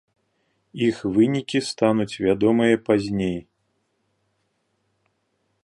Іх вынікі стануць вядомыя пазней.